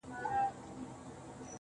او د خپل زړه په تصور كي مي,